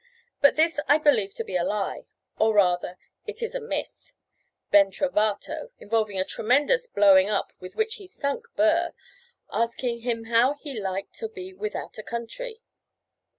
But this I believe to be a lie; or, rather, it is a myth, ben trovato, involving a tremendous blowing up with which he sunk Burr, asking him how he liked to be "without a country."